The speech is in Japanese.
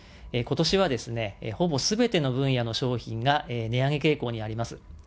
ことしはですね、ほぼすべての分野の商品が値上げ傾向にあります。